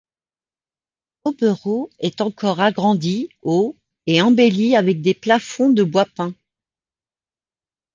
Oberau est encore agrandi au et embelli avec des plafonds de bois peint.